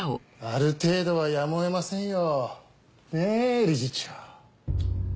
ある程度はやむをえませんよ。ねぇ理事長。